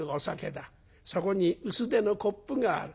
そこに薄手のコップがある。